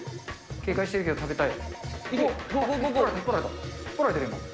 警戒してるけど食べたい。